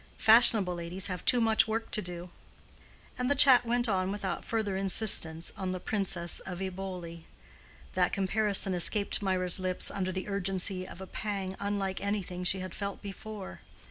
Fashionable ladies have too much work to do." And the chat went on without further insistence on the Princess of Eboli. That comparison escaped Mirah's lips under the urgency of a pang unlike anything she had felt before.